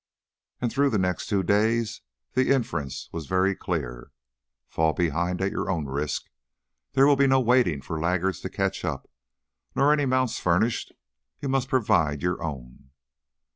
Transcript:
And through the next two days the inference was very clear: fall behind at your own risk; there will be no waiting for laggards to catch up. Nor any mounts furnished; you must provide your own.